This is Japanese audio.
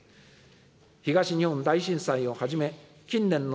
東日本大震災をはじめ、近年の